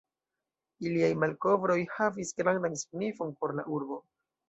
Iliaj malkovroj havis grandan signifon por la urbo.